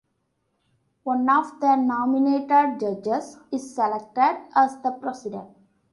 One of the nominated Judges is selected as the President.